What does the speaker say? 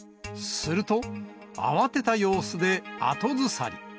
すると慌てた様子で後ずさり。